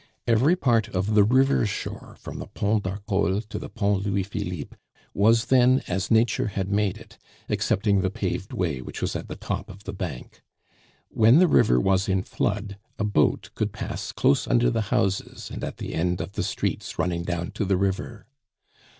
Every part of the river shore from the Pont d'Arcole to the Pont Louis Philippe was then as nature had made it, excepting the paved way which was at the top of the bank. When the river was in flood a boat could pass close under the houses and at the end of the streets running down to the river.